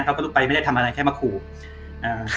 เขาก็ลุกไปไม่ได้ทำอะไรเพียงก็แค่โทษ